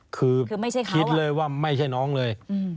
คือคิดเลยว่าไม่ใช่น้องเลย